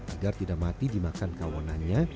agar tidak mati di makan kawanannya